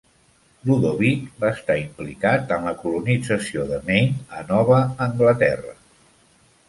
Ludovic va estar implicat en la colonització de Maine a Nova Anglaterra.